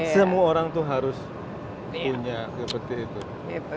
semua orang itu harus punya seperti itu